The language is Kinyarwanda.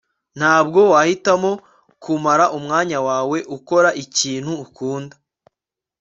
ntabwo wahitamo kumara umwanya wawe ukora ikintu ukunda